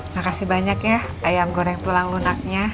makasih banyak ya ayam goreng tulang lunaknya